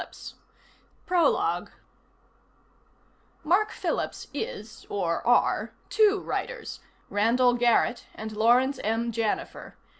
"Mark Phillips" is, or are, two writers: Randall Garrett and Laurence M. Janifer.